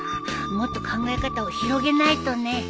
もっと考え方を広げないとね。